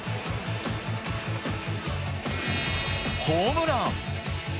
ホームラン。